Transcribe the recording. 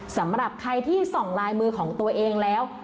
สำหรับใครที่ส่องลายมือของตัวเองแล้ว